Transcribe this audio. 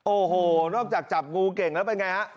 โอ้โหนอกจากจับงูเก่งแล้วเป็นอย่างไรครับ